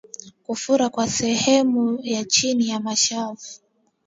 Kufura kwa sehemu ya chini ya mashavu